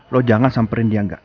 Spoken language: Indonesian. loh jangan samperin dia enggak